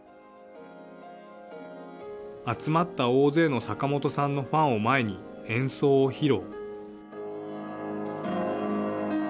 集まった大勢の坂本さんのファンを前に、演奏を披露。